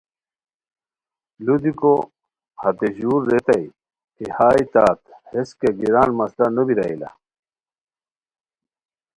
لودیکو ہتے ژُور ریتائے کی ہائے تت ہیس کیہ گیران مسئلہ نو بیرائے لا